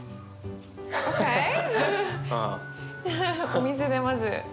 お水でまず。